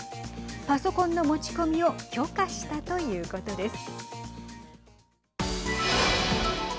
パソコンの持ち込みを許可したということです。